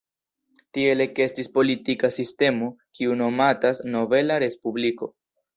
Tiel ekestis politika sistemo, kiu nomatas "nobela respubliko".